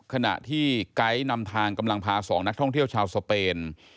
ขณะที่ไกด์นำทางกำลังพา๒นักท่องเที่ยวชาวสเปน